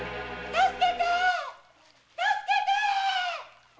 助けてぇ‼